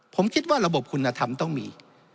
ผมคิดว่าระบบคุณธรรมต้องมี